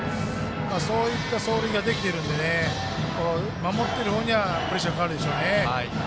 そういった走塁ができているんで守っている方にはプレッシャーかかるでしょうね。